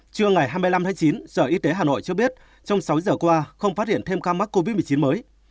trưa ngày hai mươi năm tháng chín sở y tế hà nội cho biết trong sáu giờ qua không phát hiện thêm ca mắc covid một mươi chín mới